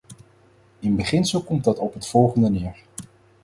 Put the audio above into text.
In beginsel komt dat op het volgende neer.